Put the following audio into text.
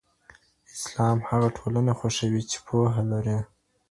اسلام هغه ټولنه خوښوي چې پوهه لري.